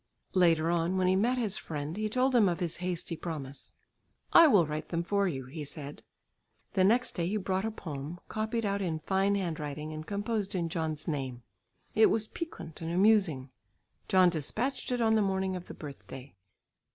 Later on when he met his friend, he told him of his hasty promise. "I will write them for you," he said. The next day he brought a poem, copied out in a fine hand writing and composed in John's name. It was piquant and amusing. John dispatched it on the morning of the birthday.